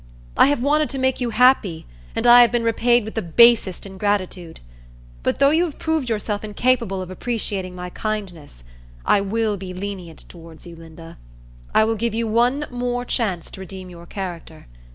I have wanted to make you happy, and I have been repaid with the basest ingratitude; but though you have proved yourself incapable of appreciating my kindness, I will be lenient towards you, Linda. I will give you one more chance to redeem your character.